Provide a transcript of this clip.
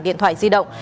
điện thoại di động